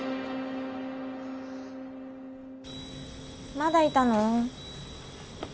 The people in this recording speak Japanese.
まだいたの？